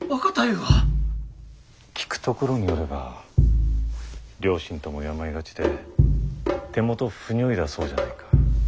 聞くところによれば両親とも病がちで手元不如意だそうじゃないか。